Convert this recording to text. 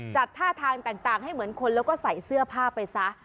จัดท่าทางต่างให้เหมือนคนแล้วก็ใส่เสื้อผ้าไปซะ